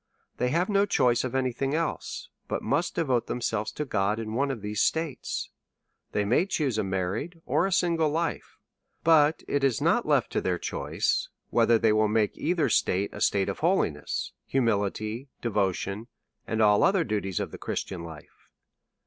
They have no choice of any thing else,, but must devote themselves to God in one of these states. They may choose a married or single life ; but it is not left to their choice whether they will make either state a state holiness, humility, devotion, and all other duties of the Christian life.